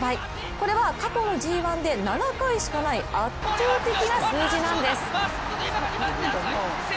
これは、過去のＧⅠで７回しかない圧倒的な数字なんです。